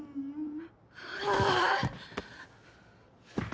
ああ！